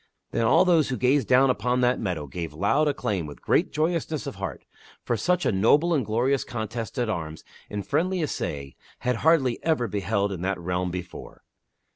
Then all those who gazed down upon that meadow gave loud acclaim with great joyousness of heart, for such a noble and glorious contest at arms in friendly assay had hardly ever been beheld in all that realm before.